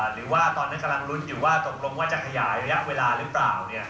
หรือว่าตอนนั้นกำลังลุ้นอยู่ว่าตกลงว่าจะขยายระยะเวลาหรือเปล่า